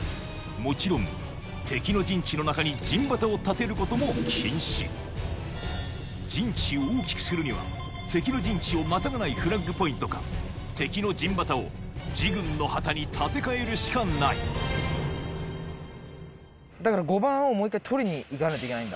もちろん敵の陣地の中に陣旗を立てることも禁止陣地を大きくするには敵の陣地をまたがないフラッグポイントか敵の陣旗を自軍の旗に立て替えるしかないだから５番をもう１回取りに行かないといけないんだ。